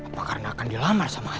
apa karena akan dilamar sama